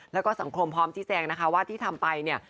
แล้วก็สังคมพร้อมชี้แจงนะคะว่าที่ทำไปเนี่ย